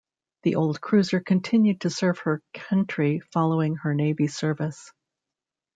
The old cruiser continued to serve her country following her Navy service.